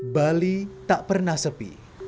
bali tak pernah sepi